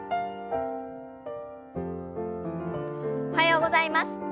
おはようございます。